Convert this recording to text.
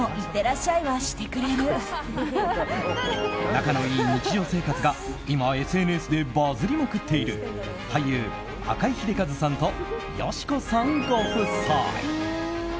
仲の良い日常生活が今、ＳＮＳでバズりまくっている俳優・赤井英和さんと佳子さんご夫妻。